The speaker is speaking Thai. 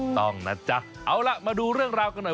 ต้องนะจ๊ะเอาล่ะมาดูเรื่องราวกันหน่อย